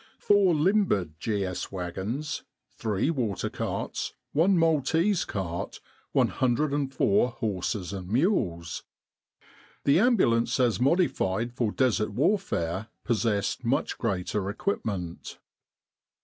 4 Limbered G. S. Wagons. 3 Water Carts, i Maltese Cart. 104 horses and mules. The Ambulance as modified for Desert warfare possessed much greater equipment.